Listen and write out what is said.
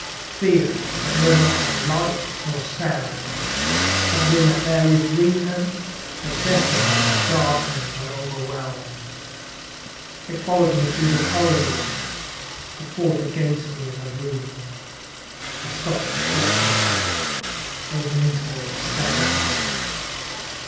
Fear that will not have light nor sound, that will not bear with reason, that deafens and darkens and overwhelms. It followed me through the corridor, it fought against me in the room " I stopped abruptly. There was an interval of silence.